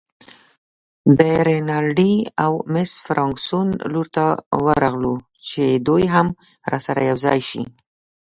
د رینالډي او مس فرګوسن لور ته ورغلو چې دوی هم راسره یوځای شي.